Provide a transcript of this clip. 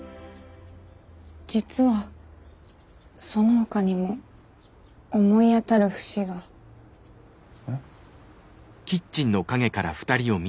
実はそのほかにも思い当たる節が。え？